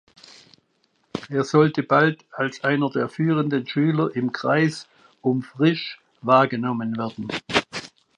Er sollte bald als einer der führenden Schüler im Kreis um Frisch wahrgenommen werden.